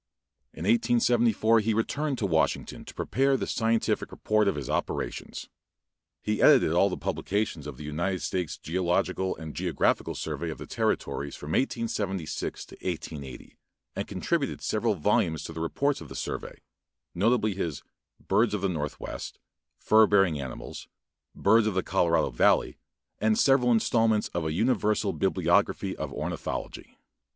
In 1874 he returned to Washington to prepare the scientific report of his operations. He edited all the publications of the United States geological and geographical survey of the territories from 1876 to 1880 and contributed several volumes to the reports of the survey, notably his "Birds of the Northwest," "Fur Bearing Animals," "Birds of the Colorado Valley," and several installments of a universal Bibliography of Ornithology.